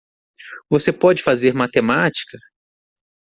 Você pode fazer matemática?